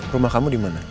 rumah kamu dimana